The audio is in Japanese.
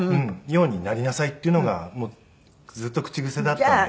ようになりなさいっていうのがずっと口癖だったんで。